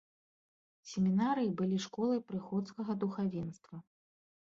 Семінарыі былі школай прыходскага духавенства.